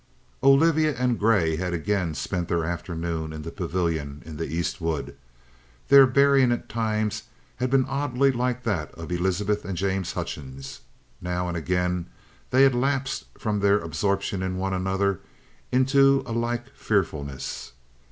Olivia and Grey had again spent their afternoon in the pavilion in the East wood. Their bearing at times had been oddly like that of Elizabeth and James Hutchings. Now and again they had lapsed from their absorption in one another into a like fearfulness.